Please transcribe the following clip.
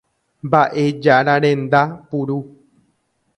Mba'ejararenda puru.